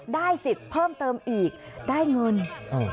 ได้สิทธิ์เพิ่มเติมอีกได้เงิน